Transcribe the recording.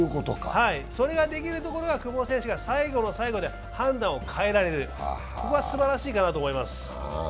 それができるところが久保選手が最後の最後で判断を変えられる、ここがすばらしいかなと思います。